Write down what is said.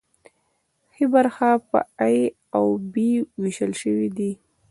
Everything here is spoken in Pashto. ښي برخه په ای او بي ویشل شوې ده.